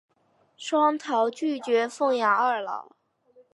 双桃拒绝奉养二老。